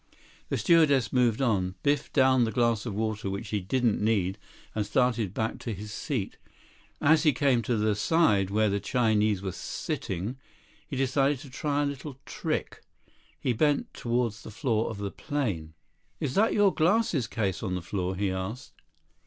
The stewardess moved on. Biff downed the glass of water which he didn't need and started back to his seat. As he came to the side where the Chinese were sitting, he decided to try a little trick. He bent toward the floor of the plane. "Is that your glasses case on the floor?" he asked.